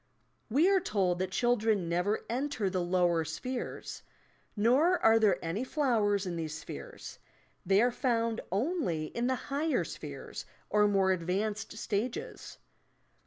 We are told that children never enter the lower spheres; nor are there any flowers in these spheres, they are found only in the higher spheres or more advanced stages.